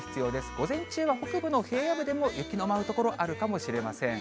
午前中は北部の平野部でも雪の舞う所、あるかもしれません。